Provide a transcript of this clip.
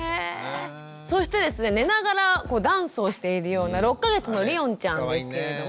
そしてですね寝ながらダンスをしているような６か月のりおんちゃんですけれども。